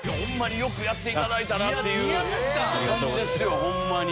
よくやっていただいたなっていう感じですよホンマに。